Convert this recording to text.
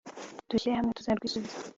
dushyire hamwe tuzarwisubize